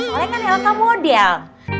soalnya kan elsa model